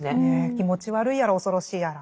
気持ち悪いやら恐ろしいやら。